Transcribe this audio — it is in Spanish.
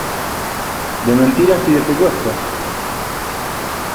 de mentiras y de secuestros.